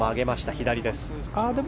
左です。